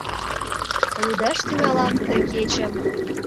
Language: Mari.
Лудаш тӱҥалам, ты кечым